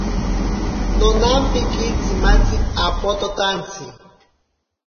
Nonampiki tsimatzi apototantsi.